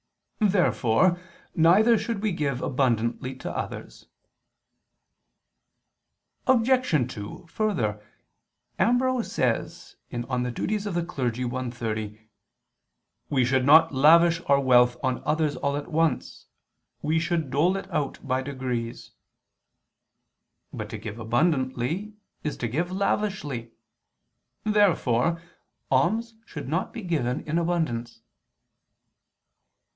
Therefore neither should we give abundantly to others. Obj. 2: Further, Ambrose says (De Officiis i, 30): "We should not lavish our wealth on others all at once, we should dole it out by degrees." But to give abundantly is to give lavishly. Therefore alms should not be given in abundance.